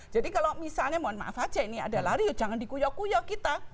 jadi kalau misalnya mohon maaf saja ini ada lari jangan dikuyok kuyok kita